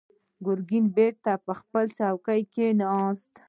ګرګين بېرته پر خپله څوکۍ کېناست.